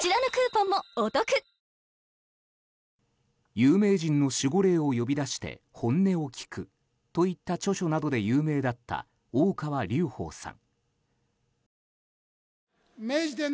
有名人の守護霊を呼び出して本音を聞くといった著書などで有名だった大川隆法さん。